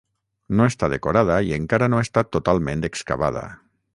No està decorada i encara no ha estat totalment excavada.